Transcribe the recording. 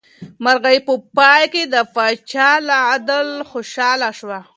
مرغۍ په پای کې د پاچا له عدله خوشحاله شوه.